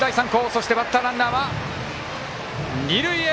そして、バッターランナーは二塁へ。